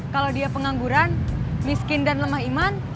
kalau dia pengangguran miskin dan lemah iman